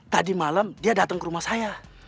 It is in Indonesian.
tadi malam dia datang ke rumah saya